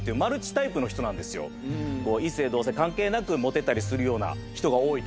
異性同性関係なくモテたりする人が多い。